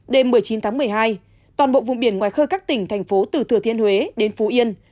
đêm một mươi chín tháng một mươi hai toàn bộ vùng biển ngoài khơi các tỉnh thành phố từ thừa thiên huế đến phú yên